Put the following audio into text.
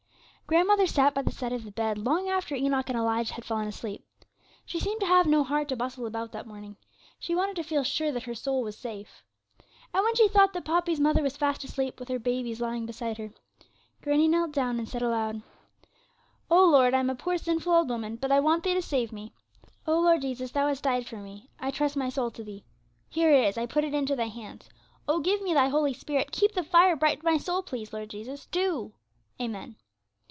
Grandmother sat by the side of the bed long after Enoch and Elijah had fallen asleep. She seemed to have no heart to bustle about that morning. She wanted to feel sure that her soul was safe. And when she thought that Poppy's mother was fast asleep, with her babies lying beside her, granny knelt down and said aloud, 'O Lord, I'm a poor sinful old woman, but I want Thee to save me. O Lord Jesus, Thou hast died for me. I trust my soul to Thee. Here it is, I put it into Thy hands. Oh give me Thy Holy Spirit; keep the fire bright in my soul, please, Lord Jesus, do. Amen.'